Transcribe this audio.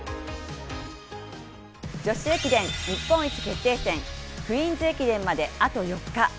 女子駅伝、日本一決定戦、クイーンズ駅伝まであと４日。